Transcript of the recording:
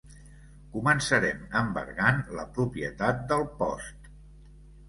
Començarem embargant la propietat del Post.